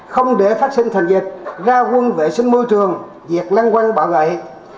không để phát sinh thành dịch ra quân vệ sinh môi trường diệt lăng quăng bạo gậy